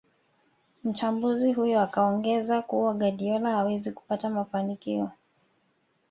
Mchambuzi huyo akaongeza kuwa Guardiola hawezi kupata mafanikio